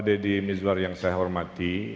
deddy mizwar yang saya hormati